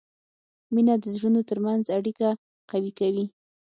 مینه د زړونو ترمنځ اړیکه قوي کوي.